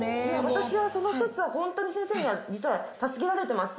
私はその節はホントに先生には実は助けられてまして。